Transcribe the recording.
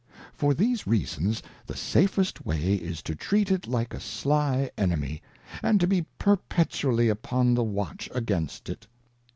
For these reasons, the safest way is to treat it like a sly Enemy, and to be perpetually upon the watch against it.